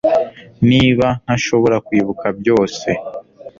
Niba ntashobora kwibuka byose